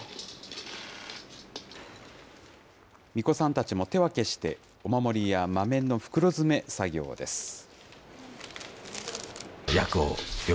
みこさんたちも手分けして、お守りや豆の袋詰め作業です。